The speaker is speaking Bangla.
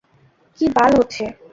কি বাল হচ্ছে?